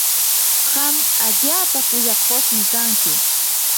qam allaapa kuyakuqmi kanki.